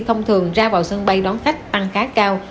thông thường ra vào sân bay đón khách ăn khá cao